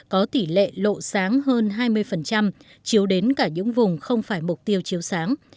có tỷ lệ lộ sáng hơn hai mươi chiếu đến cả những vùng không phải mục tiêu chiếu sáng